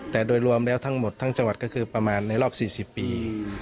แต่โดยรวมแล้วทั้งหมดทั้งจังหวัดก็คือประมาณในรอบ๔๐ปี